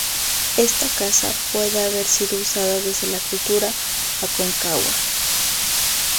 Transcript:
Esta casa puede haber sido usada desde la Cultura Aconcagua.